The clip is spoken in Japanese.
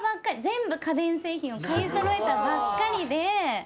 全部家電製品を買いそろえたばっかりで。